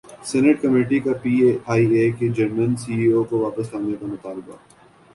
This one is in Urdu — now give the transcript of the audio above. سینیٹ کمیٹی کا پی ائی اے کے جرمن سی ای او کو واپس لانے کا مطالبہ